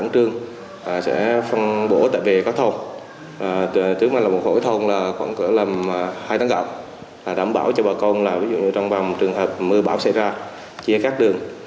tướng bà là một hội thôn khoảng hai tấn gạo đảm bảo cho bà con trong vòng trường hợp mưa bão xảy ra chia cắt đường